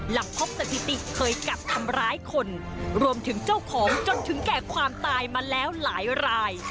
หลังพบสถิติเคยกัดทำร้ายคนรวมถึงเจ้าของจนถึงแก่ความตายมาแล้วหลายราย